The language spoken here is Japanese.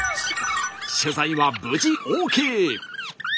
取材は無事ＯＫ。